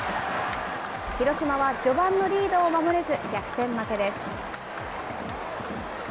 広島は序盤のリードを守れず、逆転負けです。